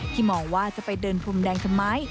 มองว่าจะไปเดินพรมแดงทำไม